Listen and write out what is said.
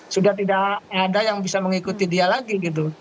sudah tidak ada yang bisa mengikuti dia lagi gitu